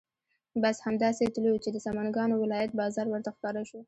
بس همدا سې تلو چې د سمنګانو ولایت بازار ورته ښکاره شو.